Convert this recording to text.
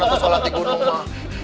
atau sholat di gunung pak